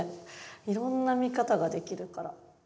いろんな見方ができるから。